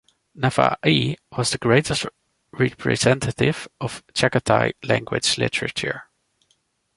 Nava'i was the greatest representative of Chagatai language literature.